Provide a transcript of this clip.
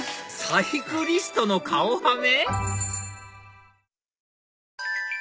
サイクリストの顔はめ？